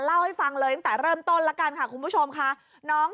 เล่าให้ฟังเลยตั้งแต่เริ่มต้นแล้วกันค่ะคุณผู้ชมค่ะน้อง